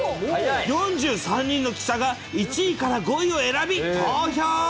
４３人の記者が１位から５位を選び投票。